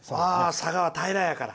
佐賀は、平らやから。